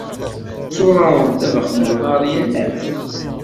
Tetturareḍ ddabex n uḍar yal ass?